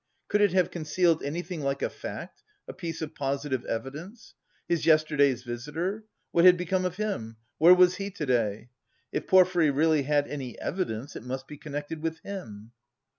Could it have concealed anything like a fact, a piece of positive evidence? His yesterday's visitor? What had become of him? Where was he to day? If Porfiry really had any evidence, it must be connected with him....